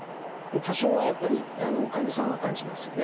多少はやっぱり患者さんは感じますよね。